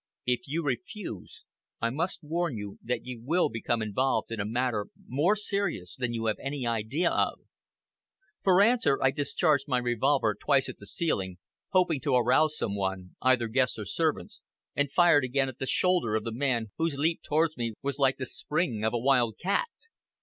If you refuse, I must warn you that you will become involved in a matter more serious than you have any idea of." For answer, I discharged my revolver twice at the ceiling, hoping to arouse some one, either guests or servants, and fired again at the shoulder of the man whose leap towards me was like the spring of a wild cat.